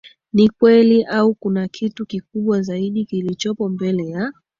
ni kweli Au kuna kitu kikubwa zaidi kilicho mbele ya